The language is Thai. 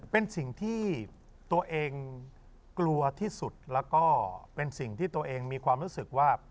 เป็นสิ่งที่ตัวเองกลัวที่สุดแล้วก็เป็นสิ่งที่ตัวเองมีความรู้สึกว่า